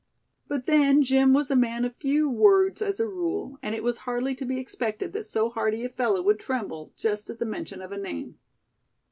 But then Jim was a man of few words as a rule; and it was hardly to be expected that so hardy a fellow would tremble, just at the mention of a name.